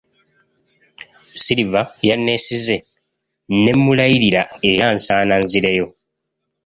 Silver yanneesize ne mmulayirira era nsaana nzireyo.